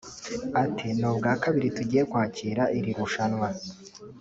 Ati "Ni ubwa kabiri tugiye kwakira iri rushanwa